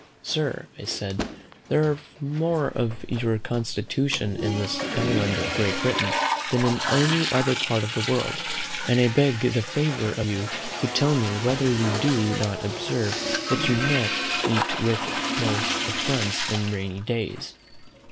"Sir," said I, "there are more of your constitution in this island of Great Britain than in any other part of the world: and I beg the favour of you to tell me whether you do not observe that you meet with most affronts in rainy days?"